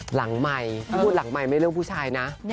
หลังใหม่ที่พูดหลังใหม่ไม่เรื่องผู้ชายนะ